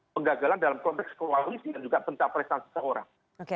penggagalan dalam konteks kualifikasi dan juga tentang prestasi orang